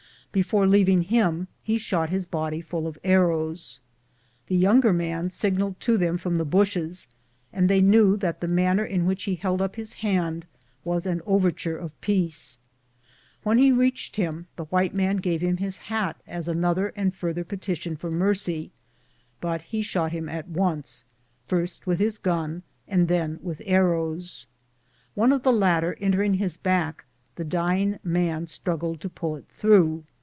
Before leaving him lie shot his body full of arrows. The younger man signalled to them from among the bushes, and they knew that the manner in which he held up his hand was an overture of peace. "When he reached him the white man gave him his hat as another and further petition for mercy, but he shot him at once, first with his gun and then with arrows. One of the latter en tering his back, the dying man struggled to pull it through.